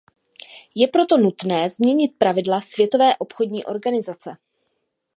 Je proto nutné změnit pravidla Světové obchodní organizace.